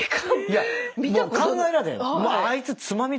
いやもう考えられない。